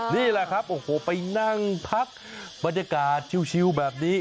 นี่แหละครับโอ้โหไปนั่งพักบรรยากาศชิวแบบนี้